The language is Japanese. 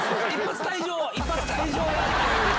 一発退場。